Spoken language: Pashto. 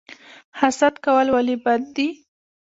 حسد کول ولې بد دي؟